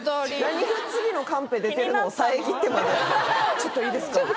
「ちょっといいですか？」